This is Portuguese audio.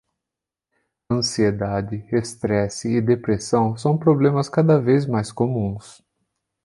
Ansiedade, estresse e depressão são problemas cada vez mais comuns